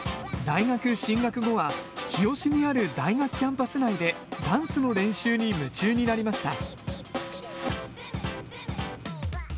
大学進学後は日吉にある大学キャンパス内でダンスの練習に夢中になりました。